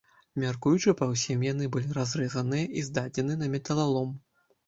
Мяркуючы па ўсім, яны былі разрэзаныя і здадзены на металалом.